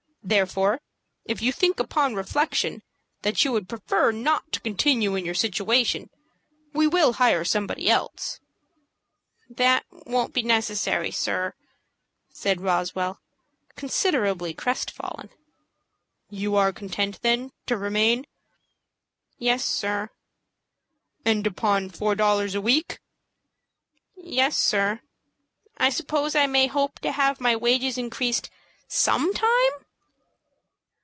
Therefore, if you think upon reflection that you would prefer not to continue in your situation, we will hire somebody else." "That won't be necessary, sir," said Roswell, considerably crest fallen. "You are content, then, to remain?" "Yes, sir." "And upon four dollars a week?" "Yes, sir. I suppose I may hope to have my wages increased some time?"